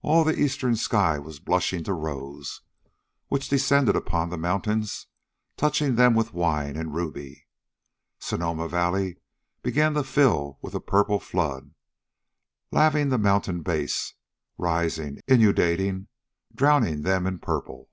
All the eastern sky was blushing to rose, which descended upon the mountains, touching them with wine and ruby. Sonoma Valley began to fill with a purple flood, laving the mountain bases, rising, inundating, drowning them in its purple.